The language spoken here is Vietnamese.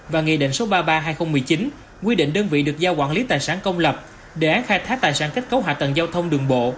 và nghị định số ba mươi ba hai nghìn một mươi chín quy định đơn vị được giao quản lý tài sản công lập đề án khai thác tài sản kết cấu hạ tầng giao thông đường bộ